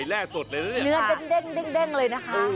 แร่สดเลยเนื้อเด้งเลยนะคะ